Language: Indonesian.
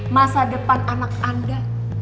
masa depan anak anda